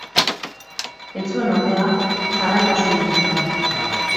Ez zuen ordea jarraitasunik izan.